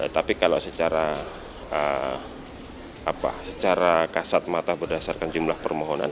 tapi kalau secara kasat mata berdasarkan jumlah permohonan